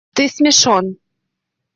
Ты смешон.